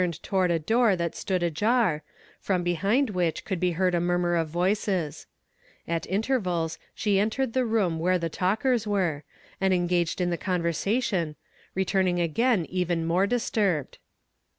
(See page 9.) "WE HAVE HEARD THE FAME OF HIM.*' 9 toward a door that stood ajar, from behind wliich could be heard a murmur of voices. At intervals she entered the room where the talkers were, and engaged in the convei sation, returning again even more disturbed.